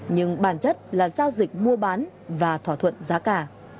nhưng bản chất là giao dịch mua bán và thỏa thuận giá cả